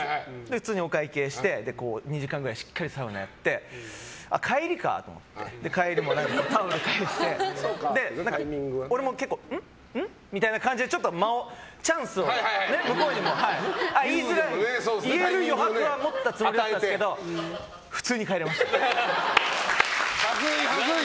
普通にお会計して２時間くらいしっかり、サウナやって帰りかと思って帰りもタオル返して俺も、うん？みたいな感じでチャンスを向こうにも言える余白は持ったつもりだったんですけどはずい、はずい！